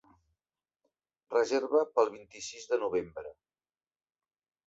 Reserva pel vint-i-sis de novembre.